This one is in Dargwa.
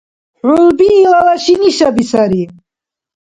ХӀулби илала шинишаби сари.